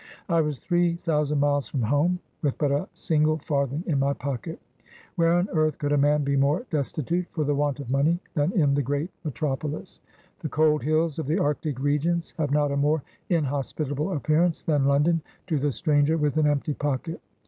I was three thousand miles from home, with but a single farthing in my pocket ! Where on earth could a man be more destitute for the want of money than in the Great Metropolis? The cold hills of the Arctic regions have not a more inhospitable appearance than London to the stranger with an empty pocket.